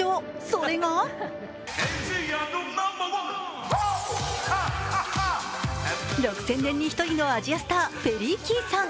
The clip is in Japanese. それが６０００年に一人のアジアスターペリー・キーさん。